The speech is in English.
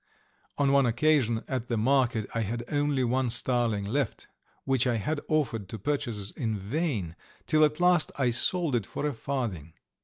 On one occasion at the market I had only one starling left, which I had offered to purchasers in vain, till at last I sold it for a farthing.